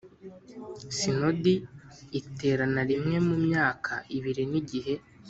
Sinodi iterana rimwe mu myaka ibiri n igihe